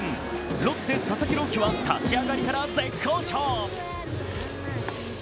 ロッテ、佐々木朗希は立ち上がりから絶好調。